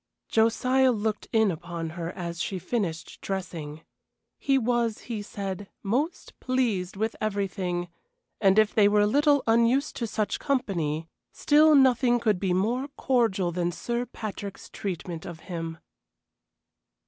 Josiah looked in upon her as she finished dressing. He was, he said, most pleased with everything, and if they were a little unused to such company, still nothing could be more cordial than Sir Patrick's treatment of him.